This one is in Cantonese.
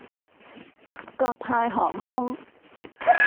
國泰航空